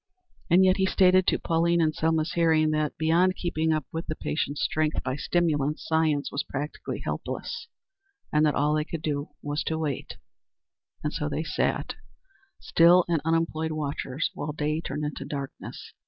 And yet he stated to Pauline in Selma's hearing that, beyond keeping up the patient's strength by stimulants, science was practically helpless, and that all they could do was to wait. And so they sat, still and unemployed watchers, while day turned into darkness.